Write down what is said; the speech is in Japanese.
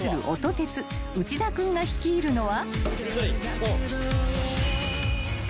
鉄内田君が率いるのは］